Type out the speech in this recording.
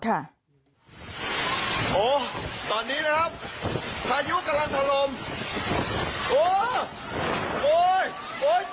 ตอนนี้นะครับพายุกำลังถล่ม